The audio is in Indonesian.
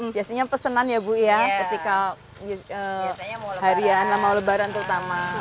biasanya pesenan ya ibu ya ketika harian lama lebaran terutama